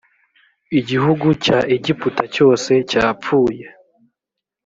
igihugu cya egiputa cyose cyapfuye